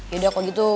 yaudah kalo gitu